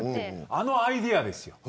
あのアイデアですよ。